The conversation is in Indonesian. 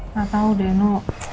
gak tau deh nino